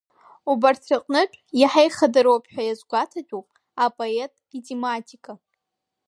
Убарҭ рыҟнытә иаҳа ихадароуп ҳәа иазгәаҭатәуп апоет итематика.